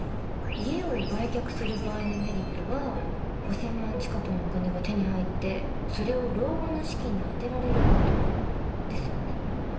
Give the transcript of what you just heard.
家を売却する場合のメリットは５，０００万近くのお金が手に入ってそれを老後の資金に充てられることですよね？